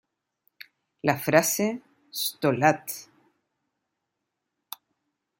La frase "Sto lat!